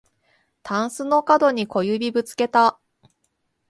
たんすのかどに小指ぶつけた